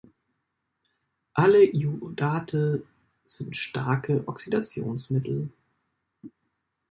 Alle Iodate sind starke Oxidationsmittel.